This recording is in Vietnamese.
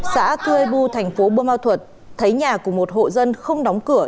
xã cươi bu thành phố bô ma thuật thấy nhà của một hộ dân không đóng cửa